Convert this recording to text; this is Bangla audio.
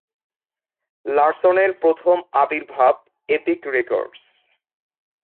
লারসন এর প্রথম আবির্ভাব এপিক রেকর্ডস,